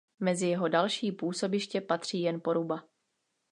Mezi jeho další působiště patří jen Poruba.